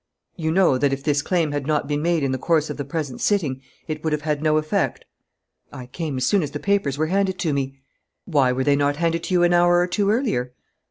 "You know that, if this claim had not been made in the course of the present sitting, it would have had no effect?" "I came as soon as the papers were handed to me." "Why were they not handed to you an hour or two earlier?"